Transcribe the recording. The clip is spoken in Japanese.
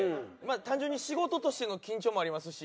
単純に仕事としての緊張もありますし。